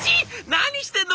何してんの？